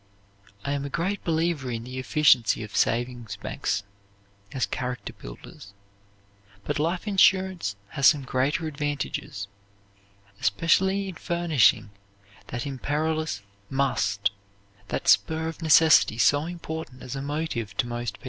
I am a great believer in the efficiency of savings banks as character builders; but life insurance has some greater advantages, especially in furnishing that imperious "must," that spur of necessity so important as a motive to most people.